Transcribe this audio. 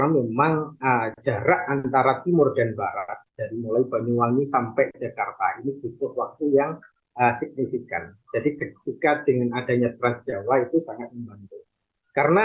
menurunkan waktu telat beberapa jam saja akan turun lima puluh persen